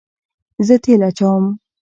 زه تیل اچوم